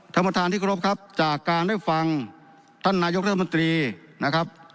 ท่านประธานที่กรบครับจากการได้ฟังท่านนายกรัฐมนตรีนะครับ